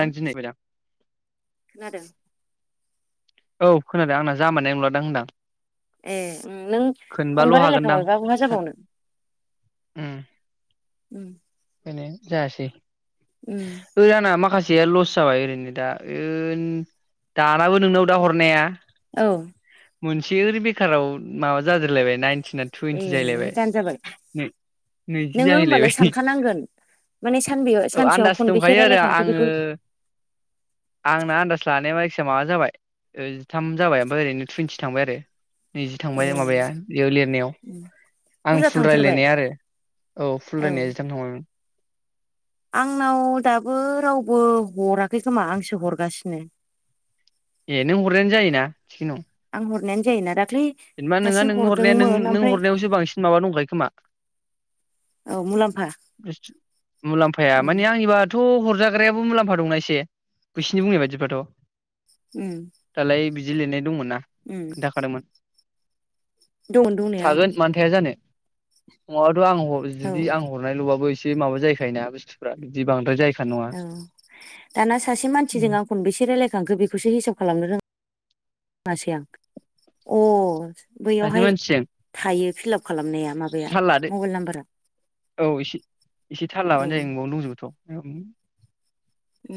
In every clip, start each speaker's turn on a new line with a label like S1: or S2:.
S1: ह
S2: दिनै बायदां
S1: खोनादों
S2: औ खोनादों आंना जामारनाय नंलादां होनदां।
S1: ए उम नों
S2: खोनबाल'
S1: खनबा
S2: हागोनदां
S1: रायलायखांबायबा मा जाबावनो? उम
S2: बेनो जायासै
S1: उम
S2: ओ आंना माखासे एसेया लस जाबाय ओरैनो दाओ दानाबो नोंनाव दा हरनाया।
S1: औ
S2: मोनसे ओरै बेखाराव माबा जादेरलायबाय नाइनटिना टुवन्टि
S1: ए
S2: जाहैलायबाय
S1: दान जाबाय
S2: नैजि
S1: नोङो होमबालाय
S2: जाहैलायबाय
S1: सानखानांगोन माने सानबेयाव
S2: औ
S1: सानसेयाव
S2: आन्दास
S1: खनबेसे
S2: दंखायो आरो
S1: रायलायखांखो
S2: आङो
S1: बेखौ
S2: आंना आन्दास लानाया बाय माबा जाबाय जिथाम जाबाय ओमफ्राय ओरैनो टुवइन्टि थांबाय आरो। नैज
S1: ए
S2: थांबाय माबाया बेयाव लिरनायाव
S1: उम
S2: आं
S1: बुरजा
S2: फुल
S1: थांथारबाय
S2: रायलायनाया आरो औ फुल रायनाया होम
S1: आंनाव दाबो रावबो हराखै खोमा आंसो हरगासिनो।
S2: ए नों हरनायानो जायो ना?
S1: आं हरनायानो जायो ना रा
S2: जेनेबा नोंङा नों हरनाया नों हरनायावसो बांसिन माबा दंखायो खोमा
S1: औ मुलाम्फा उम
S2: थ हरजाग्रायाबो मुलाम्फा दं ना एसे बिसोरनि बुंनाय बायदिब्लाथ
S1: उम
S2: दालाय जिल ने दंमोनना
S1: उम
S2: खोन्थाखादोंमोन।
S1: दंमोन दंनाया आं
S2: थागोन मानोथायाया जानो नङाबाथ आं
S1: औ
S2: जुदि आं हरनायल बाबो एसे माबा जायखायना बुस्थुफ्रा बिदि बद्राय जायखायो
S1: औ दाना सासे मानसिजों
S2: उम
S1: आं खनबेसे रायलायखांखो बेखौसो हिसाब खालामनो रों यासै आं अ
S2: सासे
S1: बैयावहाय
S2: मानसिजों
S1: थायो फिलाप खालामनाया माबाया
S2: थाल लादो
S1: मबाइल नाम्बारा
S2: औ एसे एसे थाल
S1: औ
S2: लाबानो जायो नोंबावनो दंजोबोथ' औ
S1: उ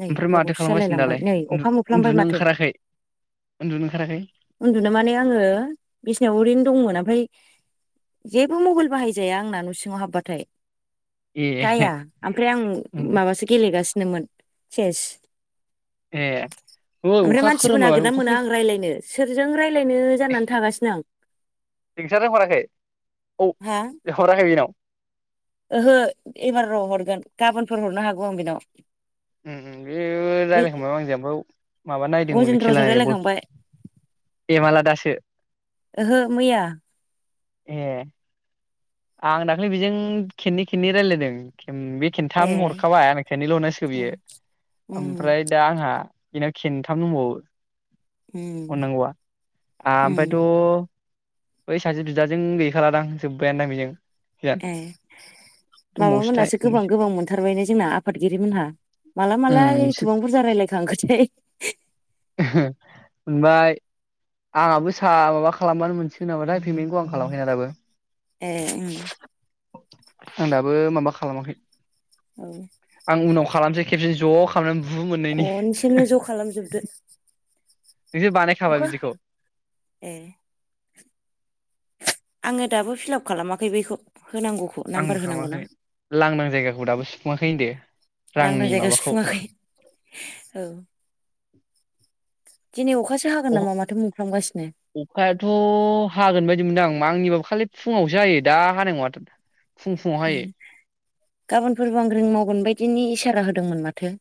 S1: नै
S2: ओमफ्राय माथो
S1: गोबावसो
S2: खालामगासिनो
S1: जालायलांबाय
S2: दालाय
S1: नै
S2: उन्दु
S1: अखा मोफ्लामबाय
S2: उन्दुनो
S1: माथो
S2: ओंखाराखै उन्दुनो ओंखाराखै?
S1: उन्दुनो माने आंङो बिसिनायाव ओरैनो दंमोन ओमफ्राय जेबो मबाइल बाहायजाया आंना न सिंङाव हाबबाथाय ।
S2: ए
S1: जाया ओमफ्राय आं माबासो गेलेगासिनोमोन सेस
S2: ए ओ
S1: ओमफ्राय
S2: अखा
S1: मानसिबो
S2: खोरोमबाय माथो
S1: नागिरना
S2: अखा
S1: मोना
S2: फै
S1: आं रायलायनो। जों रायलायनो जानानै थागासिनो आं
S2: नोंस्रानो हराखै औ
S1: हा
S2: [unintelligible]
S1: ओहो एबारनो हरगोन गाबोनफोर हरनो हागौ आं बेनाव
S2: उ उ बे
S1: बे
S2: रायलायखांबाय आंजों माबा नायदोंमोन खेला
S1: गजेन्द्रजों
S2: बल
S1: रायलायखांबाय
S2: एमालादासो
S1: ओहो मैया
S2: ए आंनो दाखालि बिजों खेन्नै खेन्नै रायलायदों बे
S1: ए
S2: खिन्थाम हरखाबाय आं खन्नैल हरनांसिगौ
S1: ए
S2: बियो
S1: उम
S2: ओमफ्राय दा आंहा बिना खेनथाम दंबावो
S1: उम
S2: अ नांगौआ आं ओमफ्रायथ
S1: उम
S2: बै सासे बिदाजों गैखालादां जोब्बायानोदां बिजों
S1: ए माबामोनहासो
S2: उम
S1: गोबां गोबां मोनथारबाय ना जोंना आफादगिरि मोनहा माला मालाय
S2: बिसोर
S1: एथबां बुरजा रायज्लायखांखोथाय
S2: मोनबाय आंहाबो सा माबा खालामबानो मोनसिगोन नामाथाय पेमेन्टखौ आं खालामखै ना दाबो
S1: ए उ
S2: आं दाबो माबा खालामाखै
S1: औ
S2: खालामनोसै खेबसेै ज खालामना
S1: खनसेनो ज खालामजोबदो
S2: नोंसोर बानायखाबाय
S1: अखा
S2: बिदिखौ
S1: ए आङो दाबो फिलाप खालामाखै बैखौ होनांगौखौ नाम्बार
S2: आंबो
S1: होनांगौना
S2: खालामाखै लांदां जायगाखौ दाबो सुफुङाखै होनदो
S1: लांदां
S2: रांनि
S1: जायगा
S2: माबाखौ
S1: सुफुङाखै दिनि अ
S2: अ अखायाथ' हागोन बायदि मोनदों आंनिबा फु खालि फुङाव हायो दा हानाय नङाथ
S1: ओम गाबोनफोरबो बांग्रिं मावगोन बायदिनि ए सारा होदोंमोन माथो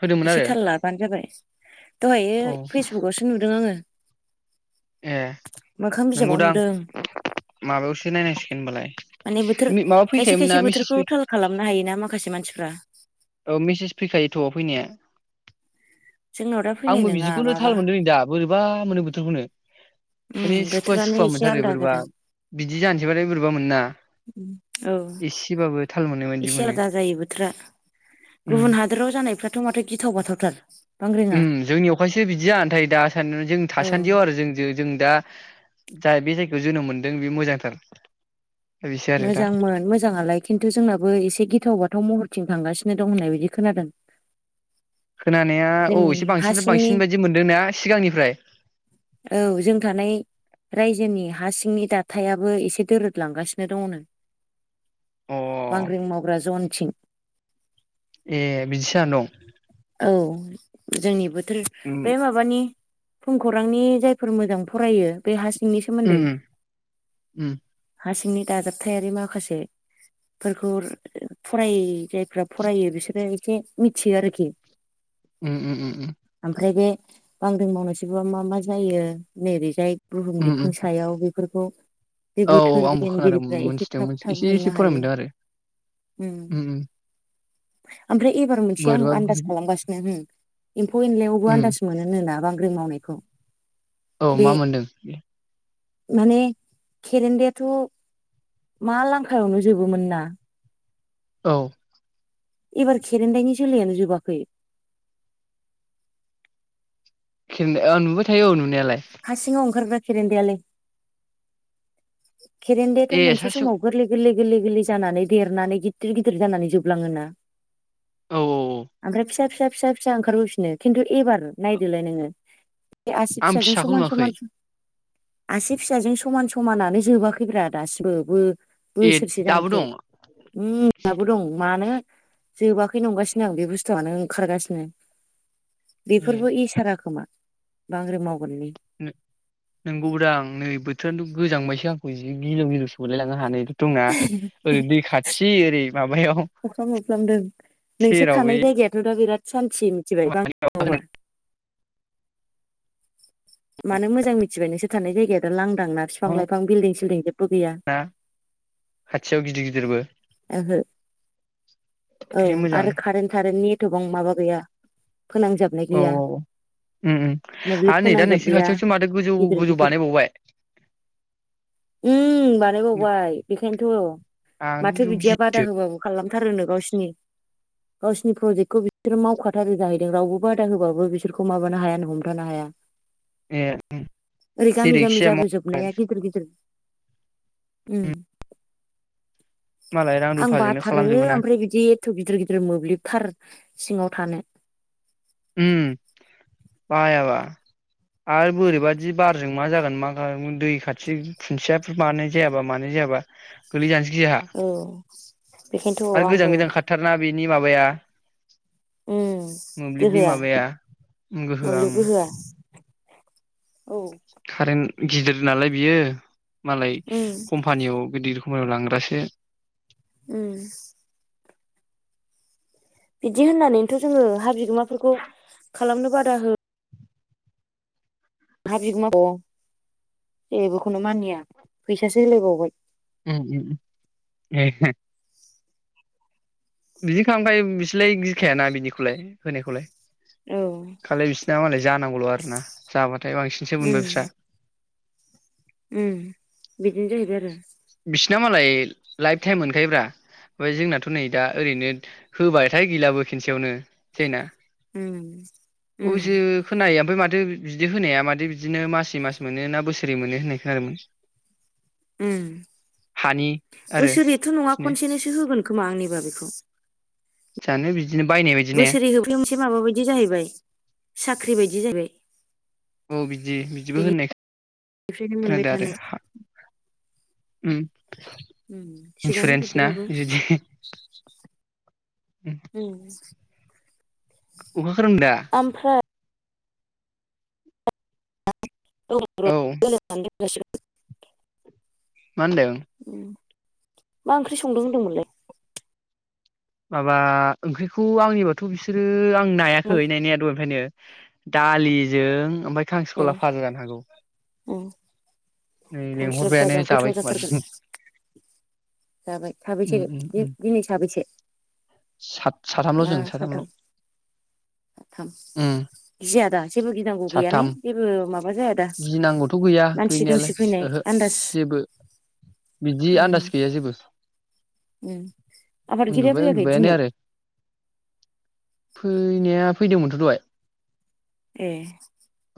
S2: होदोंमोन आरो
S1: एसे थाल लाबानो जाबाय दहायो
S2: औ
S1: फेसबुकावसो नुदों आङो
S2: ए
S1: मोखां बिजाबाव
S2: नंगौदां
S1: नुदों
S2: माबायावसो नायनांसिगोन होनबालाय।
S1: माने बोथोर
S2: ओम माबा
S1: खायसे
S2: फैखायोमोन
S1: खायसे
S2: ना मेसेज
S1: बोथोरखौ
S2: फै
S1: थाल खालामनो हायोना माखासे मानसिफ्रा
S2: औ मेसेज फैखायो थ' फैनाया
S1: जोंनाव दा फैनाय
S2: आंबो
S1: नङा
S2: बिदिखौनो थाल मोन्दों दा बोरै बा मोनो बोथोरखौनो
S1: ओम
S2: माने सुखुवा
S1: बोथोरानो
S2: सुखुवा
S1: एसे
S2: मोनथारो
S1: आलदा
S2: बोरैबा
S1: जादों
S2: बिदि जानोसैबालाय बोरैबा मोनोना
S1: औ
S2: एसेबाबो थाल मोननाय बायदि
S1: एसे
S2: मोनो
S1: आलादा जायो बोथोरा
S2: उम
S1: गुबुन हादोराव जानायफ्राथ माथो गिथाव बाथावथार बांग्रिङा
S2: ओम जोंनिआव खायसो बिदि जानानै थायो दा सा जों
S1: औ
S2: थासान्दियाव आरो जोंजो जों दा जा बे जायगायाव जोनोम मोनदों बे मोजांथार बिसो आरो दा
S1: मोजांमोन मोजाङालाय खिन्थु जोंनाबो एसे गिथाव बाथाव महरथिं थांगासि दं होननाय बायदि खोनादों
S2: खोनानाया औ
S1: जोंनि
S2: एसे
S1: हा
S2: बांसिननिफ्राय
S1: सिंनि
S2: बांसिन बायदि मोनदोंना सिगांनिफ्राय
S1: औ जों थानाय रायजोनि हा सिंनि दाथाइयाबो एसे दोरोदलांगासिनो दङ नो
S2: अ
S1: बांग्रिं मावग्रा जनथिं
S2: ए बिदिसो जाना दं।
S1: औ जोंनि बोथ थोर
S2: उम
S1: बे माबानि फुं खौरांनि जायफोर मोजां फरायो बे हास
S2: ओम ओम
S1: हा सिंनि दाजाबथायारि माखासे फोरखौ फराय जायफोरा फरायो बिसोरो एसे मिथियो आरोखि
S2: ओम ओम ओम
S1: ओमफ्राय बे बांग्रिं मावनोसैबा मा मा जायो नैबे जाय बुहुम
S2: उम उम
S1: बिखुं सायाव बे फोरखौ
S2: औ औ आंबो खोनादों मोनथिदों
S1: थाब
S2: एसे
S1: हमनो
S2: एसे फराय
S1: हायो
S2: मोनदों आरो उम उम
S1: [unintelligible] ओमफ्राय एबार मोनसे आं
S2: बोरैबा
S1: आन्दास खालामगासिनो होम एम्फौ एनलायावबो
S2: उम
S1: आनन्दास मोनोनो ना बां मावनायखौ
S2: औ
S1: बे
S2: मा मोनदों
S1: माने खेरेनदायाथ मा लांखायावनो जोबोमोन ना?
S2: औ
S1: एबार खेरेनदायनि जोलैयानो जोबाखै
S2: खेरेनदाय आं नुबाय थायो औ नुनायालाय।
S1: हा सिङाव ओंखारग्रा खेरेनदायालै खेरेनदायाथ'
S2: ए
S1: मोनसे
S2: सासे
S1: समाव गोरलै गोरलै गोरलै गोरलै जानानै देरनानै गिदिर गिदिर जानानै जोबलाङोना
S2: औ औ औ
S1: आमफ्राय फिसा फिसा फिसा फिसा ओंखारबोफिनो खिन्थु एबार नायदोलाय नोङो बे आसि
S2: आं
S1: फिसाजों
S2: फिसाखौ
S1: समान समान
S2: नुवाखै
S1: स आसि फिसाजों समान समानानो जोबाखैब्रा दासिमबो बो
S2: ए
S1: बोसोरसे
S2: दाबो
S1: जानसै
S2: दं
S1: मि दाबो दं मानो जोबाखै नंगासिनो आं बे बुस्थुआनो ओंखारगासिनो
S2: ए
S1: बेफोरबो इसारा खोमा बांग्रिं माव
S2: नो नंगौबोदां नै बोथोरानथ' गोजांबायसो आंखौ जि गिलु गिलुसो मोनलायलाङो आंहा नैथ दंना ओरै दै खाथि ओरै माबायाव
S1: अखा मोफ्लामदों
S2: सेराव बै
S1: सान [unintelligible] मिथिबाय
S2: माबा
S1: [inaudible] मानो मोजां मिथिबाय नोंसोर थानाय जायगाया दा लां दां ना बिफां
S2: होनो
S1: लाइफां बिल्डं सिल्डिं जेबो गैया
S2: ना खाथियाव गिदिर गिदिरबो
S1: ओहो औ
S2: ओमफ्राय मोजां
S1: आरो कारेन्ट थारेन्टनि एथबां मा बा गैया फोनांजाबनाय
S2: औ
S1: गैया
S2: औ उम उम
S1: मोब्लिब
S2: आरो नै दा
S1: फोनांजाब
S2: नोंसिनि
S1: गैया
S2: खाथियावसो माथो गोजौ
S1: गिदिर
S2: गोजौ
S1: गिदिर
S2: बानायबावबाय
S1: उम बानायबावबाय बेखायन्थ
S2: आंथ' बेखौ
S1: बिदिया बादा
S2: गियोसो
S1: होबाबो खालाम खालामथारोनो गावसिनि गावसिनि प्रजेक्टखौ बिसोरो मावखाथारो जाहैदों रावबो बादा होबाबो बिसोरखौ माबानो हायानो हमथानो हाया।
S2: ए
S1: आरै गामि
S2: जेरैखि
S1: गामि
S2: जाया
S1: जाबो जोबनाया गिदिर गिदिर उम
S2: मालाय रां
S1: आं
S2: रुफाजोंनो
S1: बाथारो
S2: खालामजोबो ना
S1: ओमफ्राय बिदि एथ' गिदिर गिदिर मोब्लिब खार सिङाव थानो।
S2: ओम बायाबा आरो बोरैबादि बारजों मा जागोन मा दै खाथि खुन्थियाफोर मानो जायाबा मानाय जायाबा गोलै जानो
S1: औ बेखायनोथ' आंबो
S2: बिनि माबाया
S1: उम, गो
S2: नि माबाया गोहोआ ओं
S1: औ।
S2: कारेन्ट गिदिर नालाय बियो मालाय
S1: उम
S2: कम्पानियाव गिदिर [unintelligible] मायाव लांग्रासो
S1: उम बिदि होननानैथ' जोङो हाबि बिमाफोरखौ खालामनो बादा हो हा बिगोमाखौ जेबोखौनो मानिया फैसासो होलायबावबाय।
S2: उम उम उम ए हे। बिदि खालामखायो बिसोरलाय गिखायाना बिनिखौलाय होनायखौलाय।
S1: औ
S2: खालि बिसिना मालाय जानांगौल' आरोना जाबाथाय बांसिनसो मोनबाय
S1: उम
S2: बिस्रा
S1: उम बिदिनो जाहैबाय आरो।
S2: बिसिना मालाय लाइफ टाइम मोनखायोब्रा ओमफ्राय जोंनाथ' नै दा ओरैनो होबायथाय गैलाबो खेनसेयावनो जायोना
S1: उम उम
S2: अबिसे खोनायिया ओमफ्राय माथो बिदि होनाया माथो बिदिनो मासे मास मोनो ना बोसोरे मोनो होननाय खोनादोंमोन।
S1: उन
S2: हानि आरो
S1: बोसोरैथ' नङा
S2: बिदिनो
S1: खनसेनोसो होगोन खोमा आंनिबा बेखौ।
S2: जानो बिदिनो बायनाय बायदि ने
S1: बोसोरै मोनसे माबा बायदि जाहैबाय साख्रि बायदि [unintelligible]
S2: औ बिदि बिदिबो होननाय
S1: बेफ्रायनो मोनबाय
S2: खोनादों आरो
S1: थानाय।
S2: हा उम
S1: थिगानो
S2: इन्सुरेन्स ना
S1: बिदिबाबो।
S2: जुदि अहा [unintelligible]
S1: ओमफ्राय
S2: औ
S1: [unintelligible] [unintelligible]
S2: मा‌ होनदों?
S1: मा ओंख्रि संदों होनदोंमोनलाय?
S2: माबा ओंख्रिखौ आंनिबाथ बिसोरो आं
S1: मोन
S2: नायाखै नायनाया दहायनिफ्राइनो दालिजों
S1: ए
S2: ओमफाय [unintelligible] जानो हागौ।
S1: उम
S2: नै
S1: खांखिलर
S2: लेंहरबायानो
S1: फाजा गोथाव
S2: जाबाय खोमा
S1: जाथारगोन
S2: जों
S1: जाबाय
S2: उम
S1: साबैसे
S2: उम
S1: दि
S2: उम
S1: दिनै साबैसे
S2: साथ साथामल' जों
S1: ना
S2: साथामल'
S1: साथाम थाम
S2: उम
S1: गिया दा जेबो गिनांगौ गैया ने
S2: साथाम
S1: जेबो माबा जाया दा
S2: गिनांगौथ गैया
S1: मानसि दुमसि
S2: गैनायालाय
S1: फैनाय
S2: ओहो
S1: आन्दाज
S2: जेबो बिदि
S1: उम
S2: आन्दास गैया जेबो
S1: उम आफादगिरिया
S2: उन्दुबाय
S1: फैयाखै
S2: उन्दुबायानो
S1: दिनै
S2: आरो फैनाया फैदोंमोनथ' दहाय।
S1: ए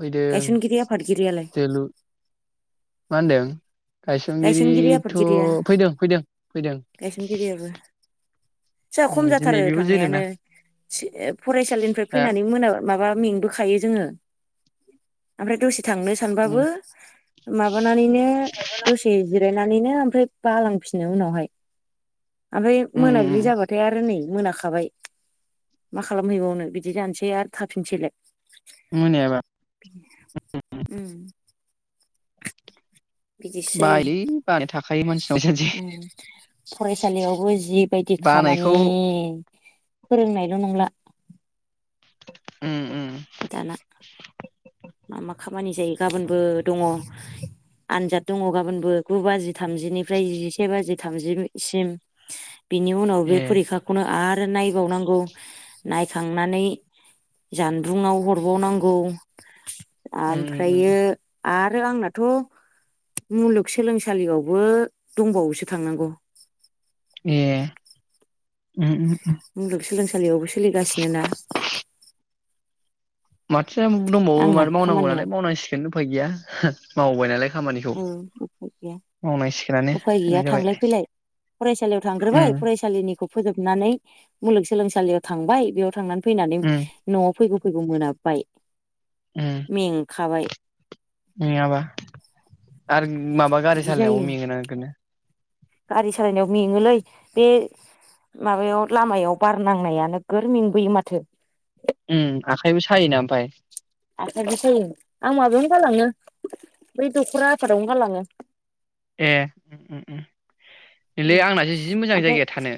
S2: फैदों
S1: गायसनगिरि आफादगिरिया लाय
S2: मान होन्दों?
S1: गायसनगिरि
S2: गायसनगिरिथ'
S1: आफादगिरिया
S2: फैदों, फैदों, फैदों।
S1: गायसनगिरियाबो जोंहा
S2: उम
S1: खम
S2: दिनै
S1: जाथारो
S2: बेबो
S1: थांनायानो
S2: जोदोंना
S1: सो फरायसालिनिफ्राय
S2: दा
S1: फैनानै मोना माबा मेंबोखायो जोंङो। ओमफ्राय दसे थांनो‌ सानबाबो
S2: उम
S1: माबानानैनो दसे‌ जिराय नानैनो ओमफ्राय बालांफिनो उनावहाय ओमफ्राय
S2: उम
S1: मोनाबिलि
S2: उम
S1: जाबाथाय आरो नै मोनाखाबाय मा खालामहैबावनो बिदि जानोसै आर थाफिनसैलाय।
S2: मोनायाबा
S1: उम बिदिसो जायो
S2: बायोलै बानाय थाखायो मानसिनाव सानसे
S1: उम फरायसालियावबो जि जि बायदि
S2: बानायखौ
S1: खामानि फोरोंनायल नंला
S2: उम्म उम्म
S1: दाना मा मा खाम खामानि जायो गाबोनबो दङ आनजाद दङ गाबोनबो गु बाजि थामजिनिफ्राय जिसे बाजि थामजिसिम बिनि उनाव बे
S2: ए
S1: फरिखाखौनो आर नायबाव नांगौ नायखांनानै जान बुंनाव हरबावनांगौ।
S2: उम उम उम
S1: ओमफ्रायो आरो आंनाथ मुलुगसोलोंसालियावबो दंबावोसो थांनांगौ।
S2: ए उम उम
S1: मुलुगसोलोंसालियावबो सोलिगासिनो ना।
S2: ए दंबावो
S1: आंना
S2: मावनांगौ
S1: खामानिया
S2: नालाय मावनां सि बेनो उफाय गैया मावबाय नालाय खामानिखौ
S1: ओम अफाय गैया
S2: मावनांसिगोनानो
S1: उफाय गैया
S2: होननाय जाबाय
S1: थांलाय फैलाय फरायसालियाव थांग्रोबाय
S2: उम
S1: फरायसालिनिखौ, फोजोबनानै मुलुगसोलोंसालियाव थांबाय बेयाव थांनानै फैनानै
S2: उम
S1: नआव फैगौ फैगौ मोनाबोबाय।
S2: उम
S1: मेंखाबाय।
S2: मेङाबा आरो माबा गारि
S1: बिदि
S2: सालायनायावबो
S1: जायो
S2: मेङोना नोगोदनो।
S1: गारि सालायनायाव मेङोलै बे माबायाव लामायाव बार नांनाया नोगोर मेंबोयो माथो
S2: उम आखाइबो सायोना ओमफ्राय
S1: आखाइ बो सायो आं माबायावनो गालाङो बै दखरा आफादावनो गालाङो।
S2: ए ओम ओम। नैलै
S1: उम
S2: आंनासो जि मोजां
S1: ओमफ्राय
S2: जायगाया थानो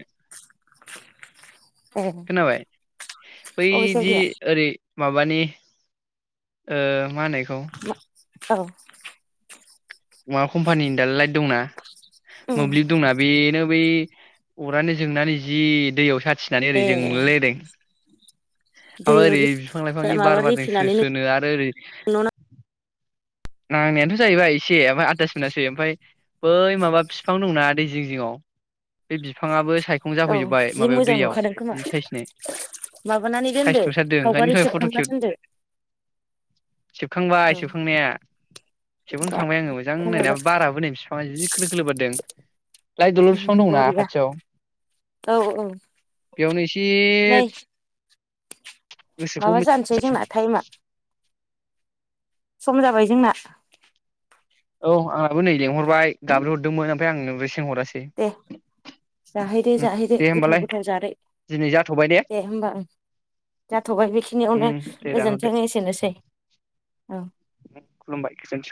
S2: खोनाबाय बै
S1: अबे
S2: दि
S1: जायगाया
S2: ओरै माबानि ओ मा होनो बेखौ
S1: औ
S2: माबा कम्पानिनि दालाय दंना
S1: उम
S2: मोब्लिब दंना बेनो बै अरानो जोंनानै जि दैयाव सा खिनानै
S1: ए
S2: रेजें मोनलायलायदों, माबा
S1: दैयाव
S2: ओरै
S1: रिफि
S2: बिफां लाइफांनि
S1: माबा
S2: बार बारजों स्रो
S1: रिफिनानै
S2: स्रोनो आरो ओरै
S1: नोंनाव
S2: नांनायाथ जाहैबाय एसे आनदास मोनासै ओमफ्राय बै माबा बिफां दंना दै जिं जिङाव बे बिफाङाबो साइखं
S1: नां औ
S2: जाफैजोब्बाय
S1: जि
S2: माबायाव
S1: मोजां
S2: दैयाव
S1: नुखादों खोमा
S2: जि साइसनो
S1: माबानानै
S2: साइस
S1: दोनदो
S2: नुथारदों ओंखायनो
S1: सावगारि
S2: दहाय फट
S1: सेबखांना
S2: खेब
S1: दोनदो
S2: सेबखांबाय
S1: औ
S2: सेबखांनाया सेबखां खांबाय आङो मोजां नायना बाराबो नै बिफाङा जि खोलो खोलो बारदों। लाइ दलर फिफां दंना
S1: बरिया
S2: खाथियाव
S1: औ औ
S2: बेयावनो एस
S1: नै
S2: एयेद
S1: माबा जानोसै जोंना टाइमा। सम जाबाय जोंना।
S2: औ आंहाबो नै लेंहरबाय गाबज्रिहरदोंमोन ओमफाय आंनो [unintelligible]
S1: दे जाहैदो
S2: उम
S1: जाहैदो
S2: दे
S1: गोथाव
S2: होमबालाय
S1: गोथाव जादो
S2: दिनै जाथ'बाय
S1: दे होमबा ओं जाथबाय
S2: उम
S1: बेखिनियावनो
S2: दे दानहरदो
S1: गोजोन्थों एसेनोसै ओं
S2: खुलुमबाय गोजोन्थों